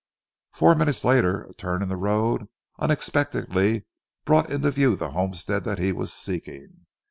Four minutes later, a turn in the road unexpectedly brought into view the homestead that he was seeking.